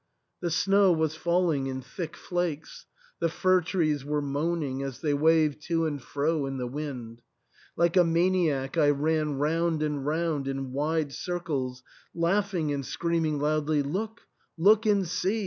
The snow was falling in thick flakes ; the fir trees were moaning as they waved to and fro in the wind. Like a maniac I ran round and round in wide circles, laughing and screaming loudly, "Look, look and see.